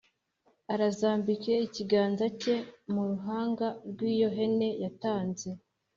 Azarambike ikiganza cye mu ruhanga rw iyo hene yatanze